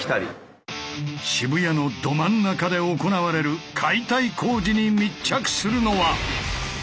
渋谷のど真ん中で行われる解体工事に密着するのは。